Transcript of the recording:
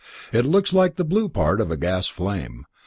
It looks like the blue part of a gas flame.